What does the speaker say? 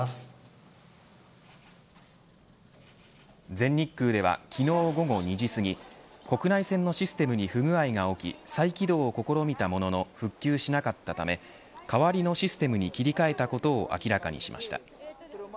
全日空では、昨日午後２時すぎ国内線のシステムに不具合が起き再起動を試みたものの復旧しなかったため代わりのシステムに切り替えたことを明らかにしました。